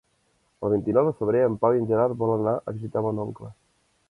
El vint-i-nou de febrer en Pau i en Gerard volen anar a visitar mon oncle.